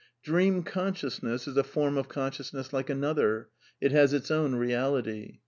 Dream consciousness is a form of consciousness like another ; it has its own reality.